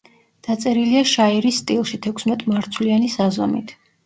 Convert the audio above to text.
დაწერილია შაირის სტილში, თექვსმეტმარცვლიანი საზომით.